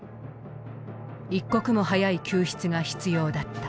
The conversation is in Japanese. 一刻も早い救出が必要だった。